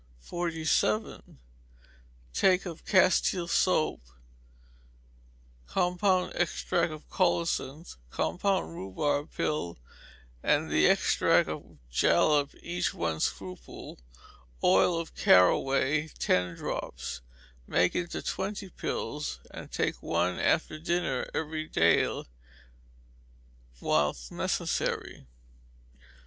47. Take of Castile soap, compound extract of colocynth, compound rhubarb pill, and the extract of jalap, each one scruple; oil of caraway, ten drops; make into twenty pills, and take one after dinner every day whilst necessary.